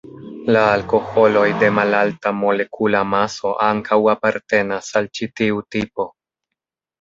La alkoholoj de malalta molekula maso ankaŭ apartenas al ĉi tiu tipo.